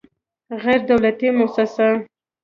غیر دولتي موسسه